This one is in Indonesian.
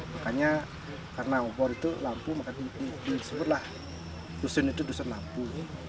makanya karena obor itu lampu maka disebutlah dusun itu dusun lampu